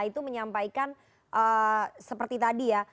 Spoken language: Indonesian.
itu menyampaikan seperti tadi ya